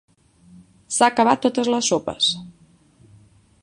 S'ha acabat totes les sopes.